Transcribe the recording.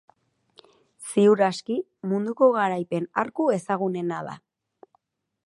Ziur aski, munduko garaipen arku ezagunena da.